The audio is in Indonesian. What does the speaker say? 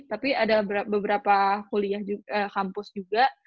tapi ada beberapa kuliah kampus juga